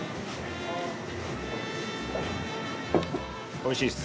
おいしいです。